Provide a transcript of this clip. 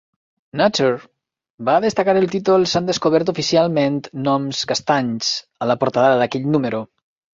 "Nature" va destacar el títol "S'han descobert oficialment gnoms castanys" a la portada d'aquell número.